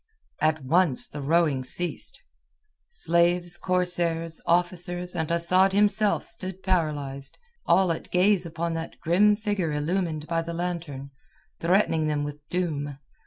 At once the rowing ceased. Slaves, corsairs, officers, and Asad himself stood paralyzed, all at gaze upon that grim figure illumined by the lantern, threatening them with doom.